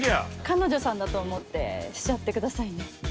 彼女さんだと思ってしちゃってくださいね。